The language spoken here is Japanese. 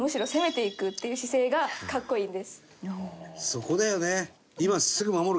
そこだよね。